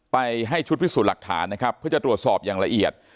ไปให้ชุดพิสูจน์หลักฐานนะครับเพื่อจะตรวจสอบอย่างละเอียด